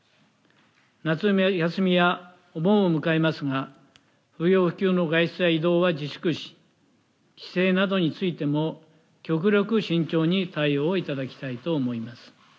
夏休みやお盆を迎えますが不要不急の外出や移動は自粛し帰省などについても極力慎重に対応いただきたいと思います。